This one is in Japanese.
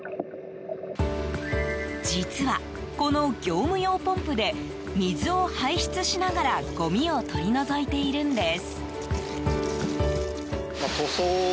実は、この業務用ポンプで水を排出しながらごみを取り除いているんです。